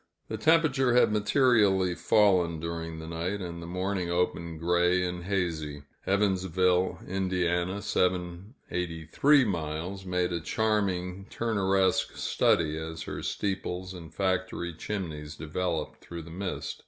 The temperature had materially fallen during the night, and the morning opened gray and hazy. Evansville, Ind. (783 miles), made a charming Turneresque study, as her steeples and factory chimneys developed through the mist.